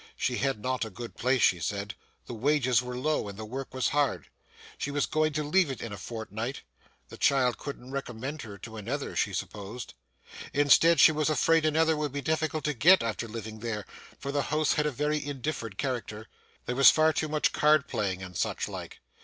She had not a good place, she said; the wages were low, and the work was hard. She was going to leave it in a fortnight; the child couldn't recommend her to another, she supposed? Instead she was afraid another would be difficult to get after living there, for the house had a very indifferent character; there was far too much card playing, and such like.